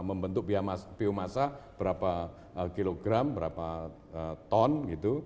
membentuk biomasa berapa kilogram berapa ton gitu